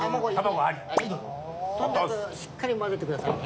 しっかり混ぜてくださいね。